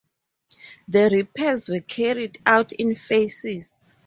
The repairs were carried out in phases.